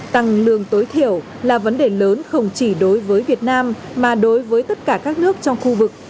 tăng lương tối thiểu là vấn đề lớn không chỉ đối với việt nam mà đối với tất cả các nước trong khu vực